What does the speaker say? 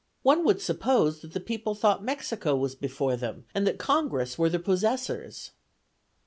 One would suppose that the people thought Mexico was before them, and that Congress were the possessors."